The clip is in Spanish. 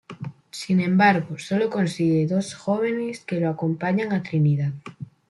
Sin embargo, sólo consigue dos jóvenes que lo acompañan a Trinidad.